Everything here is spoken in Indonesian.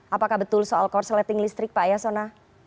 apakah betul soal korsleting listrik pak yasona